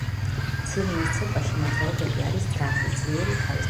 ცილინის ცეკვაში, მოძრაობები არის სწრაფი, ძლიერი თავის დარტყმებით.